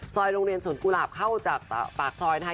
โรงเรียนสวนกุหลาบเข้าจากปากซอยนะคะ